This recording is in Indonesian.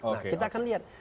nah kita akan lihat